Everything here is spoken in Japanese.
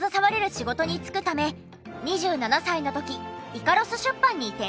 仕事に就くため２７歳の時イカロス出版に転職。